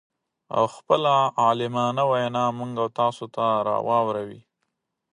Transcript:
او خپله عالمانه وينا موږ او تاسو ته را واور وي.